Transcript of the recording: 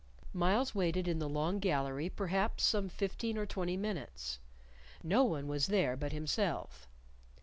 Myles waited in the Long Gallery perhaps some fifteen or twenty minutes. No one was there but himself.